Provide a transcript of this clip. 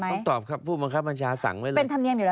เอออยู่ในชั้นไอ้อาการ